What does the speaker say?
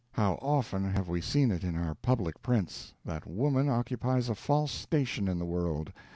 How often have we seen it in our public prints, that woman occupies a false station in the world!